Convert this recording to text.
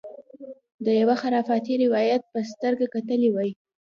د یوه خرافي روایت په سترګه کتلي وای.